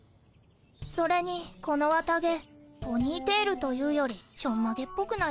それにこの綿毛ポニーテールというよりちょんまげっぽくないですか？